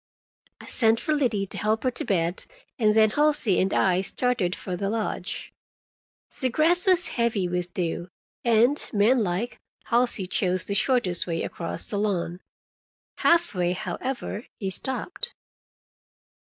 I sent for Liddy to help her to bed, and then Halsey and I started for the lodge. The grass was heavy with dew, and, man like, Halsey chose the shortest way across the lawn. Half way, however, he stopped.